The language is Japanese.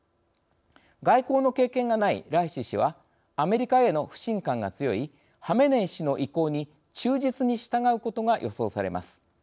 外交の経験がないライシ師はアメリカへの不信感が強いハメネイ師の意向に忠実に従うことが予想されます。